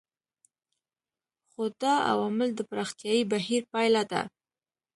خو دا عوامل د پراختیايي بهیر پایله ده.